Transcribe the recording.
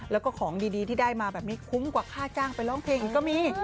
แล้วก็ของดีที่ได้มาแบบนี้คุ้มกว่าค่าจ้างไปร้องเพลงอีกก็มี